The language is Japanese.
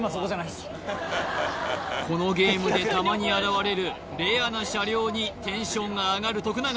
このゲームでたまに現れるレアな車両にテンションが上がる徳永